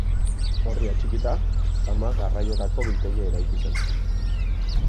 Horri atxikita, zama garraiorako biltegia eraiki zen.